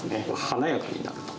華やかになる。